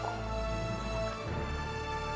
ibuku pasti khawatir denganku